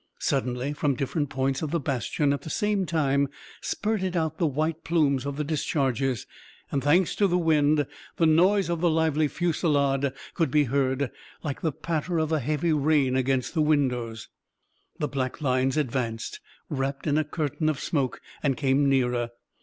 Suddenly, from different points of the bastion at the same time, spurted out the white plumes of the discharges, and, thanks to the wind, the noise of a lively fusillade could be heard, like the patter of a heavy rain against the windows. The black lines advanced, wrapped in a curtain of smoke, and came nearer.